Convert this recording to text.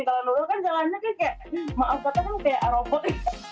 kalau nurul kan jalannya kayak maaf kata kan kayak aerobot